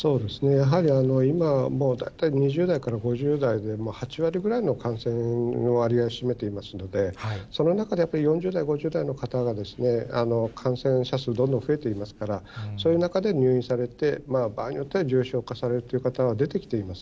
やはり今はもう、大体２０代から５０代で８割ぐらいの感染の割合占めていますので、その中で、やっぱり４０代、５０代の方が感染者数、どんどん増えていますから、そういう中で入院されて、場合によっては、重症化されるという方は出てきています。